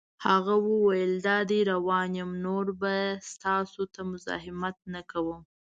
هغه وویل: دادی روان یم، نور به ستاسو ته مزاحمت نه کوم.